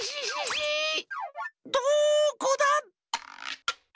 どこだ？